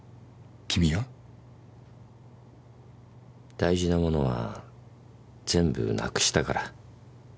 大事なものは全部なくしたから。